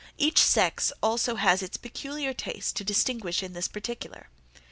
Each sex has also its peculiar taste to distinguish in this particular.